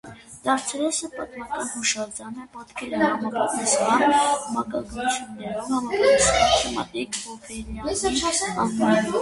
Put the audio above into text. Դարձերեսը՝ պատմական հուշարձանի պատկերը՝ համապատասխան մակագրություններով, համապատասխան թեմատիկ հոբելյանի անվանումը։